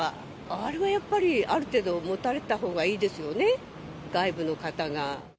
あれはやっぱりある程度持たれてたほうがいいですよね、外部の方が。